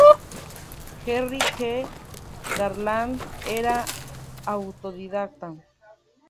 Harry G. Garland era autodidacta.